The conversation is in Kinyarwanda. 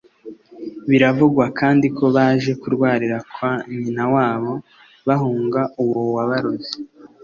Biravugwa kandi ko baje kurwarira kwa nyina wabo bahunga uwo wabaroze